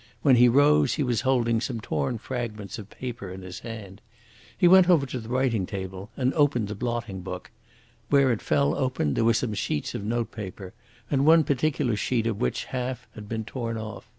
When he rose he was holding some torn fragments of paper in his hand. He went over to the writing table and opened the blotting book. Where it fell open there were some sheets of note paper, and one particular sheet of which half had been torn off.